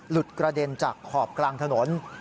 กระเด็นจากขอบกลางถนน